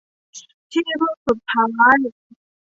ที่พึ่งสุดท้าย